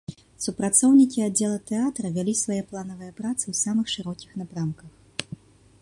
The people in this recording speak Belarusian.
Супрацоўнікі аддзела тэатра вялі свае планавыя працы ў самых шырокіх напрамках.